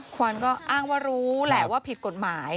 ควันก็อ้างว่ารู้แหละว่าผิดกฎหมาย